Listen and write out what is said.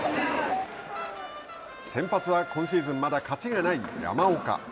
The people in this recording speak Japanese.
先発は今シーズンまだ勝ちがない山岡。